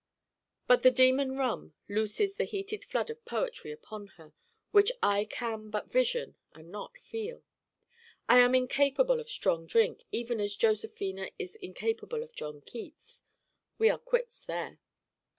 But the Demon Rum looses a heated flood of poetry upon her, which I can but vision and not feel. I am incapable of strong drink even as Josephina is incapable of John Keats. We are quits there.